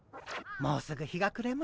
もうすぐ日がくれます。